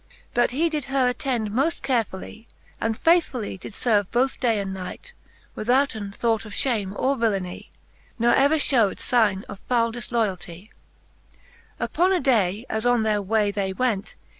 But he did her attend moft carefully, And faithfully did ferve both day and night, Withouten thought of fhame or villeny, Nor ever fhewed figne of foule difloyalty* X. Upon a day as on their way they went.